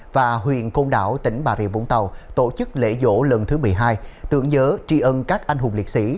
và huyện côn đảo tỉnh bà rịa vũng tàu tổ chức lễ dỗ lần thứ một mươi hai tượng nhớ tri ân các anh hùng liệt sĩ